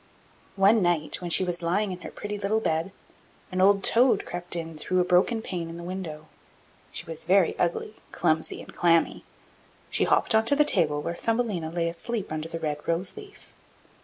One night, when she was lying in her pretty little bed, an old toad crept in through a broken pane in the window. She was very ugly, clumsy, and clammy; she hopped on to the table where Thumbelina lay asleep under the red rose leaf.